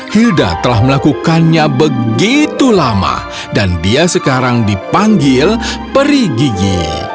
hilda telah melakukannya begitu lama dan dia sekarang dipanggil peri gigi